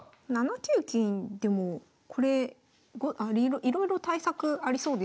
７九金でもこれいろいろ対策ありそうですけど。